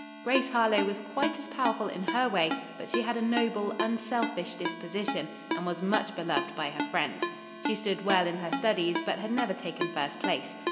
Grace Harlowe was quite as powerful in her way, but she had a noble, unselfish disposition and was much beloved by her friends. She stood well in her studies, but had never taken first place.